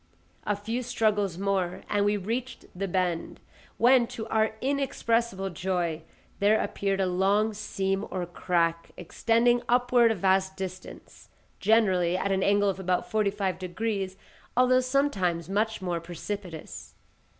A few struggles more, and we reached the bend, when to our inexpressible joy, there appeared a long seam or crack extending upward a vast distance, generally at an angle of about forty five degrees, although sometimes much more precipitous.